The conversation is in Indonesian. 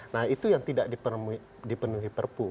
nah itu yang tidak dipenuhi perpu